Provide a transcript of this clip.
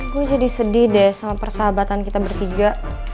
gue jadi sedih deh sama persahabatan kita bertiga